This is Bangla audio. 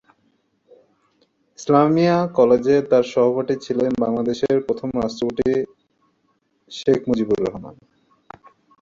ইসলামিয়া কলেজে তার সহপাঠী ছিলেন বাংলাদেশের প্রথম রাষ্ট্রপতি শেখ মুজিবুর রহমান।